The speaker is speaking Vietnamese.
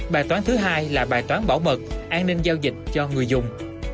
bài toán thứ hai là bài toán bảo mật an ninh giao dịch cho người dùng